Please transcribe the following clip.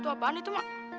itu apaan itu mak